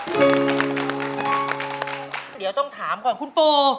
เดี๋ยวต้องถามก่อนคุณปู